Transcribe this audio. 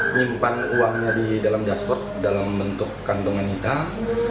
setelah mampir menyimpan uangnya di dalam jasport dalam bentuk kantongan hitam